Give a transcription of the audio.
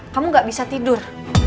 kamu gak bisa tidur